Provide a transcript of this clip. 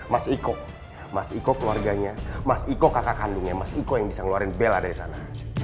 mas iko mas iko keluarganya mas iko kakak kandungnya mas iko yang bisa ngeluarin bela dari sana